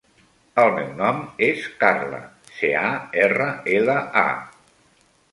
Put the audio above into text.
El meu nom és Carla: ce, a, erra, ela, a.